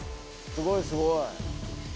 すごいすごい。